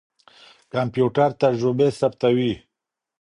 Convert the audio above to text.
کمپيوټر تجربې ثبتوي.